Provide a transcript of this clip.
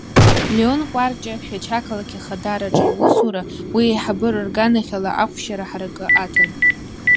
Леон Кәарҷиа, Шәача ақалақь Ахадара аҿы иусура, уи аиҳабыра рганахьала ахәшьара ҳаракы аҭан.